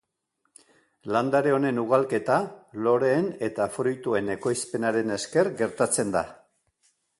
Landare honen ugalketa loreen eta fruituen ekoizpenaren esker gertatzen da.